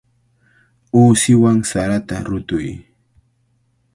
Uusiwan sarata rutuy.